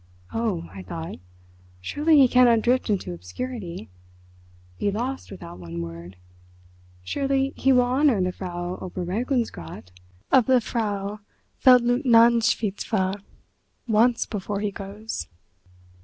"Oh," I thought, "surely he cannot drift into obscurity—be lost without one word! Surely he will honour the Frau Oberregierungsrat or the Frau Feldleutnantswitwe once before he goes."